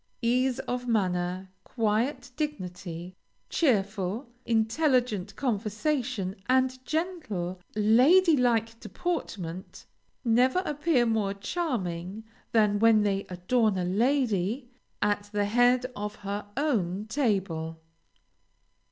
Ease of manner, quiet dignity, cheerful, intelligent conversation, and gentle, lady like deportment, never appear more charming than when they adorn a lady at the head of her own table.